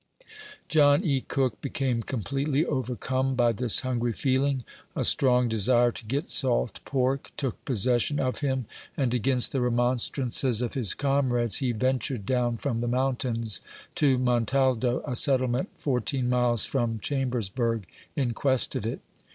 John E. Cook became completely overcome by this hungry feeling. A strong desire to get salt pork took possession of him, and against the remonstrances of his comrades, he ven tured down from the mountains to Montaldo, a settlement fourteen miles from Chambersburg, in quest of it.